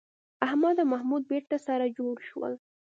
احمد او محمود بېرته سره جوړ شول.